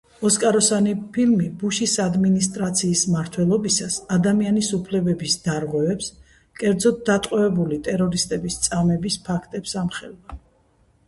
ოსკაროსანი ფილმი, ბუშის ადმინისტრაციის მმართველობისას ადამიანის უფლებების დარღვევებს, კერძოდ დატყვევებული ტერორისტების წამების ფაქტებს ამხელდა.